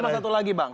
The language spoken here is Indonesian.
sama satu lagi bang